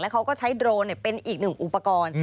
เขาก็ใช้โดรนเป็นอีกหนึ่งอุปกรณ์